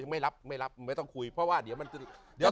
ไม่รับไม่รับไม่ต้องคุยเพราะว่าเดี๋ยวมันจะเดี๋ยว